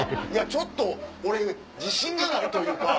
ちょっと俺自信がないというか。